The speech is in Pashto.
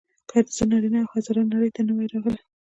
که زه نارینه او هزاره نړۍ ته نه وای راغلی.